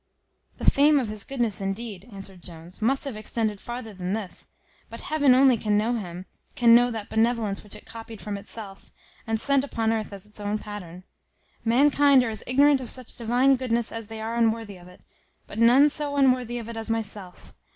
"The fame of his goodness indeed," answered Jones, "must have extended farther than this; but heaven only can know him can know that benevolence which it copied from itself, and sent upon earth as its own pattern. Mankind are as ignorant of such divine goodness, as they are unworthy of it; but none so unworthy of it as myself.